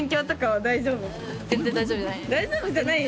大丈夫じゃない？